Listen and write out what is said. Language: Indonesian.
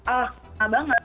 ah enggak banget